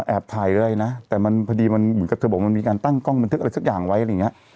ถ่ายอะไรนะแต่มันพอดีมันเหมือนกับเธอบอกว่ามันมีการตั้งกล้องบันทึกอะไรสักอย่างไว้อะไรอย่างเงี้ย